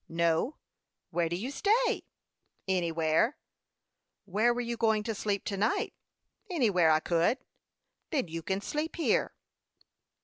"No." "Where do you stay?" "Anywhere." "Where were you going to sleep to night?" "Anywhere I could." "Then you can sleep here."